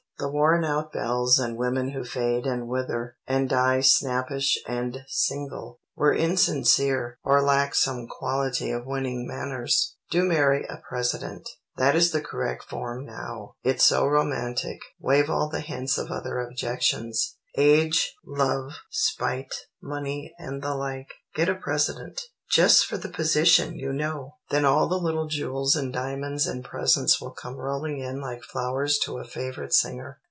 The worn out belles and women who fade and wither, and die snappish and single, were insincere, or lacked some quality of winning manners. Do marry a President. That is the correct form now. It's so romantic. Waive all the hints of other objections, age, love, spite, money, and the like. Get a President, just for the position, you know! Then all the little jewels and diamonds and presents will come rolling in like flowers to a favorite singer.